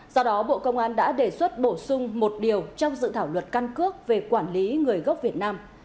do đó bộ công an đã đề xuất bổ sung một điều trong dự thảo luật căn cước về quản lý người gốc việt nam